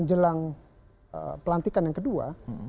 jelang pelantikan yang kedua